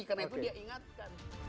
karena itu dia ingatkan